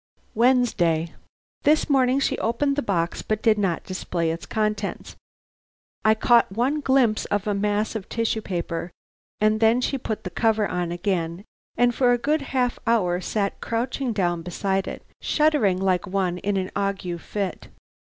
"Wednesday. "This morning she opened the box but did not display its contents. I caught one glimpse of a mass of tissue paper, and then she put the cover on again, and for a good half hour sat crouching down beside it, shuddering like one in an ague fit.